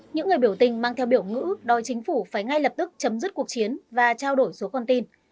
những người biểu tình mang theo biểu ngữ đòi chính phủ phải ngay lập tức chấm dứt cuộc chiến và trao đổi số con tin